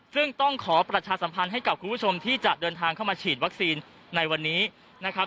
ซึ่งต้องขอประชาสัมพันธ์ให้กับคุณผู้ชมที่จะเดินทางเข้ามาฉีดวัคซีนในวันนี้นะครับ